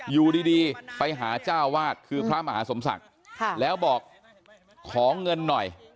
อยู่ดีไปหาเจ้าวาดคือพระมหาสมศักดิ์แล้วบอกขอเงินหน่อย